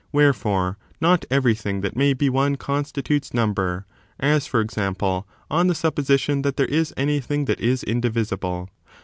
Where fore, not everything that may be one constitutes number; as, for example, on the supposition that there is anything that is indivisible.